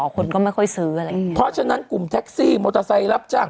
คนก็ไม่ค่อยซื้ออะไรอย่างงี้เพราะฉะนั้นกลุ่มแท็กซี่มอเตอร์ไซค์รับจ้าง